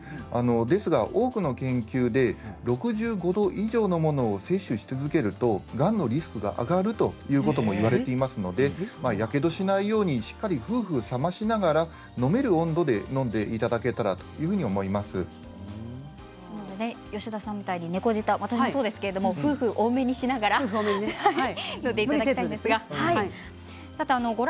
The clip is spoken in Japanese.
ですが多くの研究で６５度以上のものを摂取し続けると、がんのリスクが上がるということも言われていますのでやけどしないようにしっかり、ふうふう冷ましながら飲める温度で飲んでいただけたら吉田さんみたいに猫舌私もそうですけどふうふう多めにしながら飲んでいただいて。